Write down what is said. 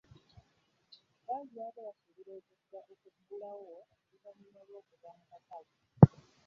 Bangi babadde basuubira okuggulawo oluvannyuma lw'okuva mu kalulu.